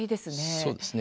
そうですね。